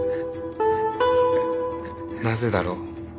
なぜだろう？